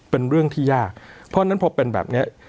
เป็นเรื่องที่ยากเพราะฉะนั้นพอเป็นแบบนี้